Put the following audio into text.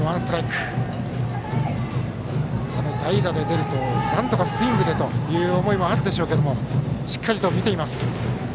代打で出るとなんとかスイングでという思いはあるでしょうがしっかりと見ています。